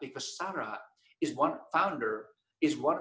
karena sarah adalah seorang pengembang